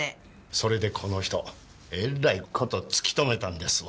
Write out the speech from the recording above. それでこの人えらい事突き止めたんですわ。